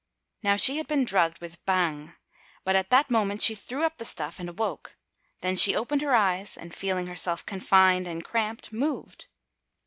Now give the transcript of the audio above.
Now she had been drugged with Bhang, but at that moment she threw up the stuff and awoke; then she opened her eyes and feeling herself confined and cramped, moved.